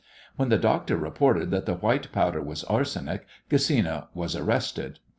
When the doctor reported that the white powder was arsenic Gesina was arrested.